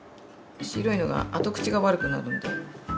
白いのが後口が悪くなるんで。